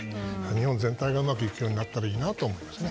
日本全体がうまくいったらいいなと思います。